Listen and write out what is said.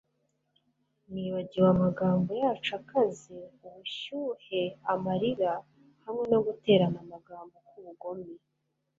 nibagiwe amagambo yacu akaze, ubushyuhe, amarira, hamwe no guterana amagambo kwubugome